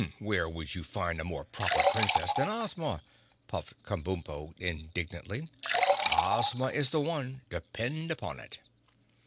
"Where would you find a more Proper Princess than Ozma?" puffed Kabumpo indignantly. "Ozma is the one—depend upon it!"